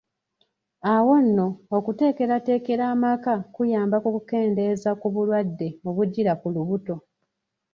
Awo nno, okuteekerateekera amaka kuyamba ku kukendeeza ku bulwadde obujjira ku lubuto.